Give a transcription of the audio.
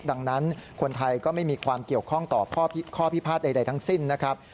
ดังนั้นคนไทยก็ไม่มีความเกี่ยวข้องต่อข้อพิพาทใดทั้งสิ้นนะครับ